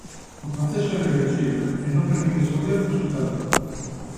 O proceso é irreversible e non permite escoller o resultado.